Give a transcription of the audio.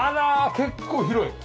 結構広い。